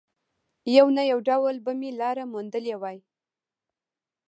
يو نه يو ډول به مې لاره موندلې وای.